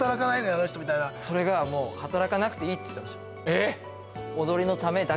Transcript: あの人みたいなそれがもう働かなくていいって言ってましたえーっ？